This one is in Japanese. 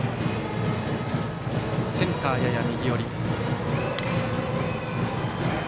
センター、やや右寄り。